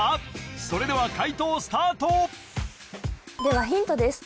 それでは解答スタートではヒントです